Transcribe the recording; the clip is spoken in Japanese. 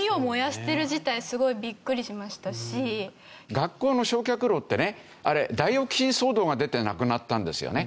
学校の焼却炉ってねあれダイオキシン騒動が出てなくなったんですよね。